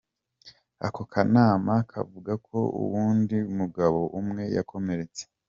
Ako kanama kavuga ko uwundi mugabo umwe yakomeretse.